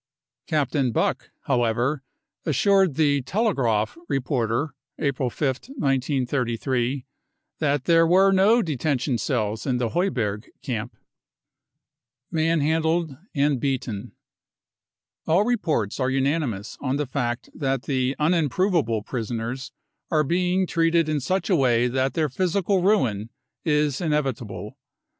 Captain Buck however assured the Telegraaf reporter (April 5th, 1933) that there were no detention cells in the Heuberg camp. 302 BROWN BOOK OF THE HITLER TERROR Manhandled and Beaten. All reports are unanimous on the fact that the "unimprovable" prisoners are being treated in such a way that their physical ruin is inevitable.